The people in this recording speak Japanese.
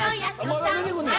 まだ出てくんのや。